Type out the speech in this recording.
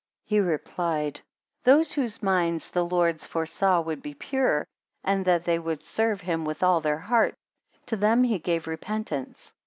He replied, Those whose minds the Lords foresaw would be pure, and that they would serve him with all their hearts, to them he gave repentance.